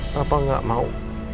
papa gak mau